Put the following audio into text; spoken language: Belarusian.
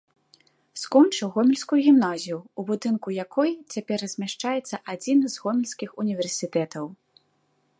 Скончыў гомельскую гімназію, у будынку якой цяпер размяшчаецца адзін з гомельскіх універсітэтаў.